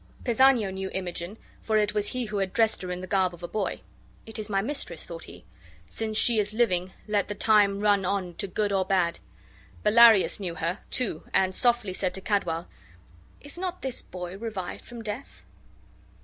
Pisanio knew Imogen, for it was he who had dressed her in the garb of a boy. "It is my mistress," thought he. "Since she is living, let the time run on to good or bad." Bellarius knew her, too, and softly said to Cadwal, "Is not this boy revived from death?"